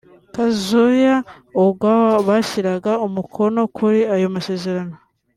Kazuya Ogawa bashyiraga umukono kuri ayo masezerano